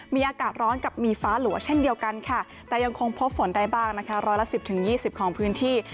มีอากาศร้อนกับมีฟ้าหลัวเช่นเดียวกันค่ะแต่ยังคงพบฝนได้บ้างนะคะร้อยละ๑๐๒๐ของพื้นที่